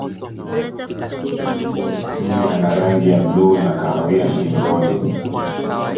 dume ana rangi ya bluu na kahawia shingoni